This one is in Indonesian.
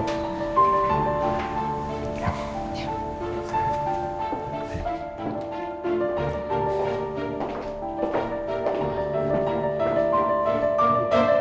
ini dulu saja mbak b bei my side